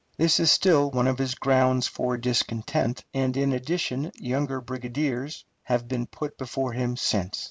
This is still one of his grounds for discontent, and in addition younger brigadiers have been put before him since.